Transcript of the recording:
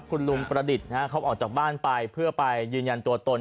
คุณลุงประดิษฐ์เขาออกจากบ้านไปเพื่อไปยืนยันตัวตน